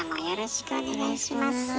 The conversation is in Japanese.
よろしくお願いします。